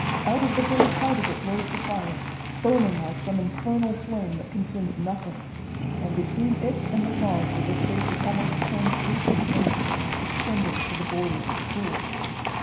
Out of the very heart of it rose the fire, burning like some infernal flame that consumed nothing, and between it and the fog was a space of almost translucent air, extending to the borders of the pool.